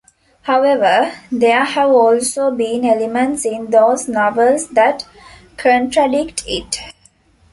However, there have also been elements in those novels that contradict it.